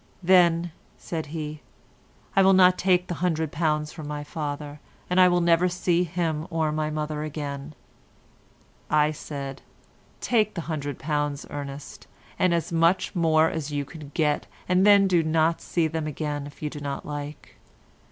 "Then," said he, "I will not take the £100 from my father, and I will never see him or my mother again." I said: "Take the £100, Ernest, and as much more as you can get, and then do not see them again if you do not like."